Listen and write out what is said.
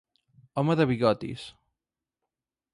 Home de bigotis.